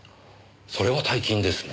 それは大金ですね。